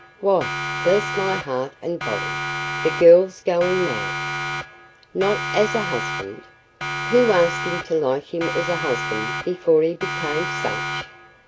"Why, bless my heart and body, the girl's going mad! Not as a husband! Who asked you to like him as a husband before he became such?